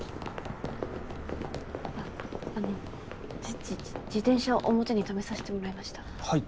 ああのじ自転車を表に停めさせてもらいました。はい。